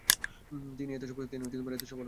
তিনি এতে সফল হননি।